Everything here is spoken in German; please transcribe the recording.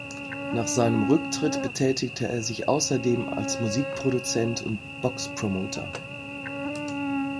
Nach seinem Rücktritt betätigte er sich außerdem als Musikproduzent und Boxpromoter.